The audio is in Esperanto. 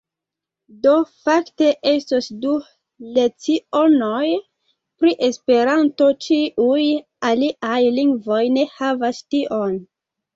Do fakte estos du lecionoj pri esperanto ĉiuj aliaj lingvoj ne havas tion.